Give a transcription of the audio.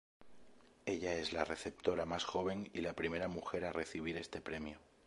Ella es la receptora más joven y la primera mujer a recibir este premio.